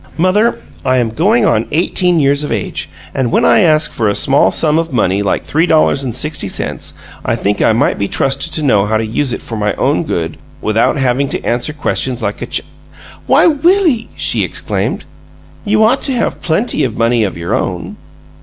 "Mother, I am going on eighteen years of age, and when I ask for a small sum of money like three dollars and sixty cents I think I might be trusted to know how to use it for my own good without having to answer questions like a ch " "Why, Willie," she exclaimed, "you ought to have plenty of money of your own!"